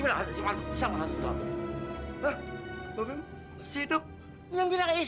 weh jangan tinggalin luki